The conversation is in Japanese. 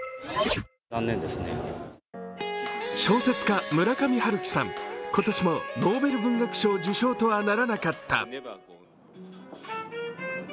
小説家・村上春樹さん、今年もノーベル賞受賞とはならなかった。